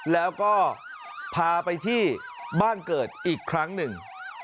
แล้วก็พาไปที่บ้านเกิดอีกครั้งหนึ่ง